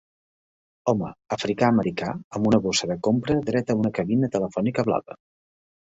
Home Africà-Americà amb una bossa de compra dret a una cabina telefònica blava.